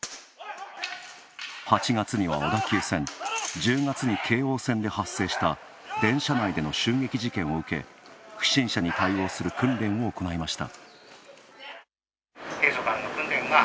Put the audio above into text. ８月には小田急線、１０月に京王線で発生した電車内での襲撃事件を受け不審者に対応する訓練を行いました。